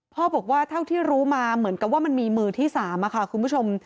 พ่อบอกว่าเท่าที่รู้มาเหมือนกับว่ามันมีมือที่๓ค่ะคุณผู้ชม